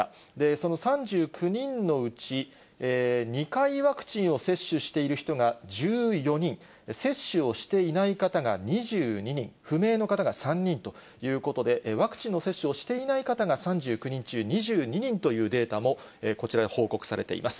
その３９人のうち、２回ワクチンを接種している人が１４人、接種をしていない方が２２人、不明の方が３人ということで、ワクチンの接種をしていない方が３９人中２２人というデータも、こちらで報告されています。